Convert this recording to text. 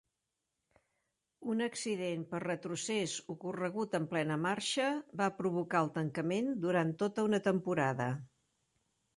Un accident per retrocés ocorregut en plena marxa va provocar el tancament durant tota una temporada.